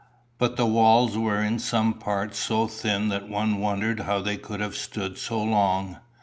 But the walls were in some parts so thin that one wondered how they could have stood so long.